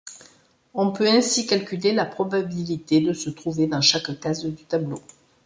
On peut ainsi calculer la probabilité de se trouver dans chaque case du tableau.